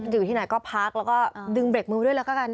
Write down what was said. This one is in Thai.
อยู่ที่ไหนก็พักแล้วก็ดึงเบรกมือด้วยแล้วก็กัน